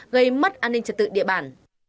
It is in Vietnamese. gây mất an ninh trật tự địa bản